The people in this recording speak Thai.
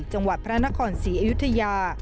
จังหวัดพระนครศรีอยุธยา